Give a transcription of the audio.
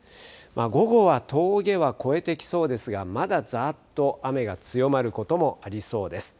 午後は峠は越えてきそうですが、まだざーっと雨が強まることもありそうです。